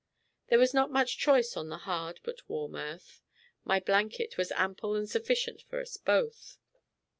There was not much choice on the hard but warm earth. My blanket was ample and sufficient for us both.